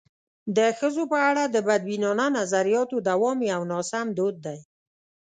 د ښځو په اړه د بدبینانه نظریاتو دوام یو ناسم دود دی.